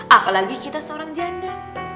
apalagi kita seorang janda